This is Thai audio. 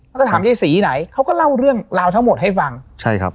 แล้วก็ถามยายศรีไหนเขาก็เล่าเรื่องราวทั้งหมดให้ฟังใช่ครับ